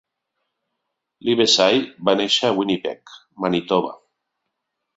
Livesay va néixer a Winnipeg, Manitoba.